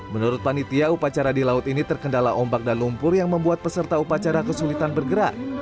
menurut panitia upacara di laut ini terkendala ombak dan lumpur yang membuat peserta upacara kesulitan bergerak